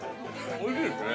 ◆おいしいですね。